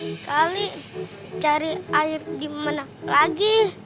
sekali cari air dimana lagi